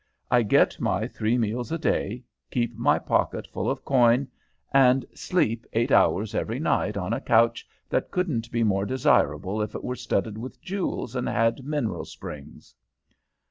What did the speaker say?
I get my three meals a day, keep my pocket full of coin, and sleep eight hours every night on a couch that couldn't be more desirable if it were studded with jewels and had mineral springs.'